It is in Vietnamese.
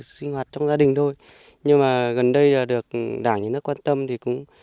sinh hoạt trong gia đình thôi nhưng mà gần đây là được đảng nhà nước quan tâm thì cũng